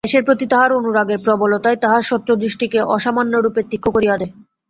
দেশের প্রতি তাহার অনুরাগের প্রবলতাই তাহার সত্যদৃষ্টিকে অসামান্যরূপে তীক্ষ্ণ করিয়া দেয়।